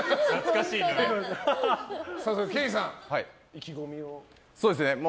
ケインさん、意気込みを。